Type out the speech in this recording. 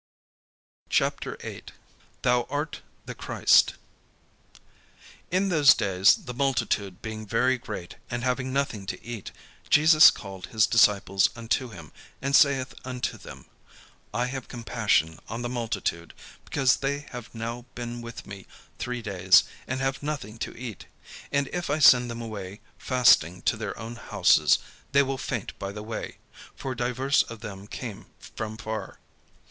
CHAPTER VIII "THOU ART THE CHRIST" In those days the multitude being very great, and having nothing to eat, Jesus called his disciples unto him, and saith unto them: "I have compassion on the multitude, because they have now been with me three days, and have nothing to eat: and if I send them away fasting to their own houses, they will faint by the way: for divers of them came from far."